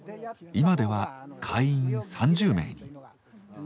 今では会員３０名に。